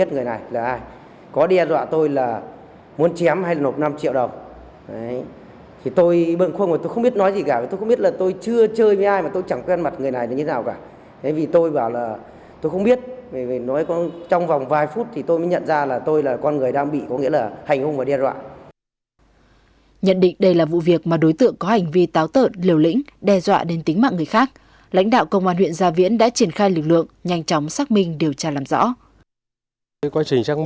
nhận định đây là vụ việc mà đối tượng có hành vi táo tợn liều lĩnh đe dọa đến tính mạng người khác lãnh đạo công an huyện gia viễn đã triển khai lực lượng nhanh chóng xác minh điều tra làm rõ